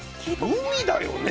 海だよね